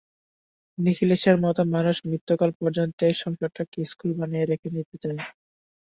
নিখিলেশের মতো মানুষ মৃত্যুকাল পর্যন্ত এই সংসারটাকে ইস্কুল বানিয়ে রেখে দিতে চায়।